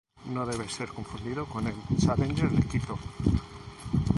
No debe ser confundido con el Challenger de Quito.